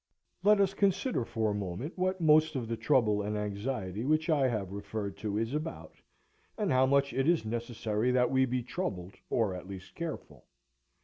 Let us consider for a moment what most of the trouble and anxiety which I have referred to is about, and how much it is necessary that we be troubled, or, at least, careful.